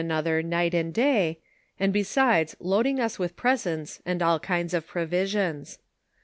another night and day, and besides loading ns with presents and all kinds of provisions.